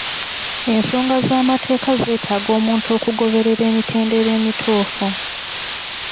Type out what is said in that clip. Ensonga z'amateeka zeetaaga omuntu okugoberera emitendera emituufu.